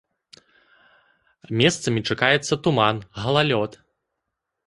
Месцамі чакаецца туман, галалёд.